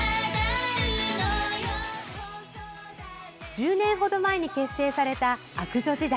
１０年ほど前に結成された悪女時代。